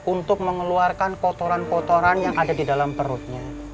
untuk mengeluarkan kotoran kotoran yang ada di dalam perutnya